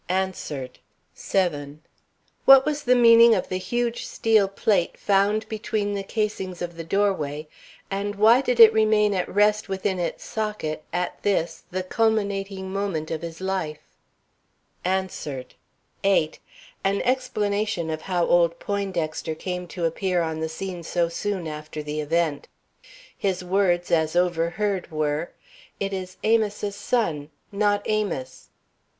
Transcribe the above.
[Sidenote: Answered] 7. What was the meaning of the huge steel plate found between the casings of the doorway, and why did it remain at rest within its socket at this, the culminating, moment of his life? [Sidenote: Answered] 8. An explanation of how old Poindexter came to appear on the scene so soon after the event. His words as overheard were: "It is Amos' son, not Amos!"